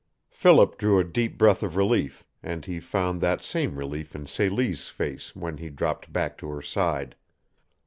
Philip drew a deep breath of relief, and he found that same relief in Celie's face when he dropped back to her side.